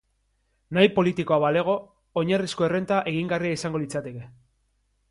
Nahi politikoa balego, oinarrizko errenta egingarria izango litzateke.